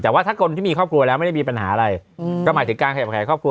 แต่ว่าถ้าคนที่มีครอบครัวแล้วไม่ได้มีปัญหาอะไรก็หมายถึงการขยับขายครอบครัว